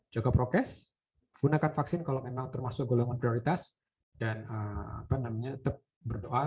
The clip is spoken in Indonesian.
juga progres gunakan vaksin kalau memang termasuk golongan prioritas dan namanya tetap berdoa